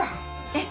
えっ！